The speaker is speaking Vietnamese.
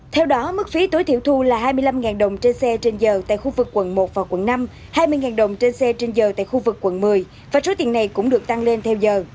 theo đó mức phí tối thiểu thu là hai mươi năm đồng trên xe trên giờ tại khu vực quận một và quận năm hai mươi đồng trên xe trên giờ tại khu vực quận một mươi và số tiền này cũng được tăng lên theo giờ